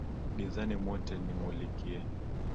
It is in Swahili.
Gizani mwote nimulikie